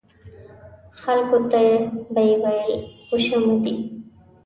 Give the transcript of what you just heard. خلکو ته به یې ویل خوش آمدي.